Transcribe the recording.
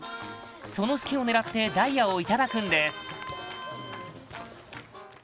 その隙を狙ってダイヤをいただくんです